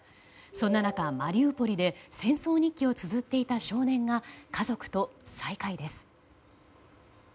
そんな中、マリウポリで「戦争日記」をつづっていた少年が家族と再会です。